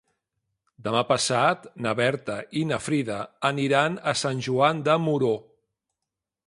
Demà passat na Berta i na Frida aniran a Sant Joan de Moró.